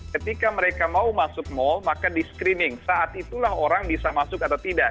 ketika mereka mau masuk mal maka di screening saat itulah orang bisa masuk atau tidak